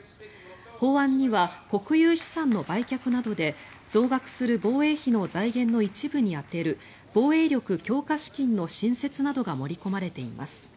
法案には国有資産の売却などで増額する防衛費の財源の一部に充てる防衛力強化資金の新設などが盛り込まれています。